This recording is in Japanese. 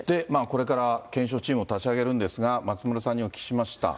これから検証チームを立ち上げるんですが、松丸さんにお聞きしました。